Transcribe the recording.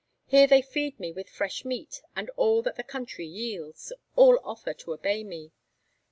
Here they feed me with fresh meat and all that the country yields; all offer to obey me.